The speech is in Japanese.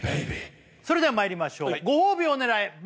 それではまいりましょうご褒美を狙え！